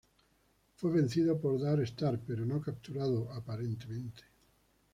Fue vencido por Darkstar, pero no capturado, aparentemente.